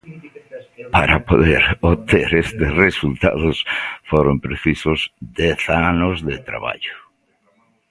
Para poder obter estes resultados foron precisos dez anos de traballo.